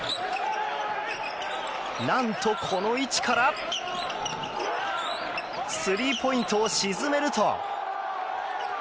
何と、この位置からスリーポイントを沈めると。